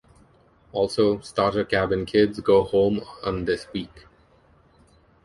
Also, starter cabin kids go home on this week.